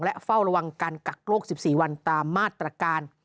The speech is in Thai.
และเฝ้าระวังการกักโรค๑๔วันตามมาตรการ